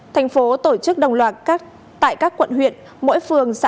thành phố tổ chức đồng loạt tại các quận huyện